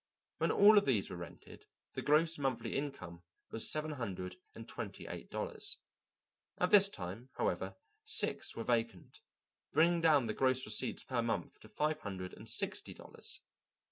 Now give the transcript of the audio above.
When all of these were rented, the gross monthly income was seven hundred and twenty eight dollars. At this time, however, six were vacant, bringing down the gross receipts per month to five hundred and sixty dollars.